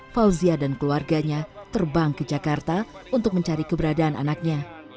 fauzia dan keluarganya terbang ke jakarta untuk mencari keberadaan anaknya